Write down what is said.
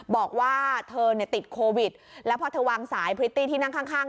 บอกว่าเธอเนี่ยติดโควิดแล้วพอเธอวางสายพริตตี้ที่นั่งข้าง